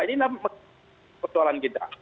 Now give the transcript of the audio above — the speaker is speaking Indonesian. ini nampaknya kecualan kita